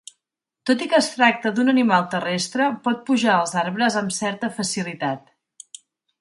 Tot i que es tracta d'un animal terrestre, pot pujar als arbres amb certa facilitat.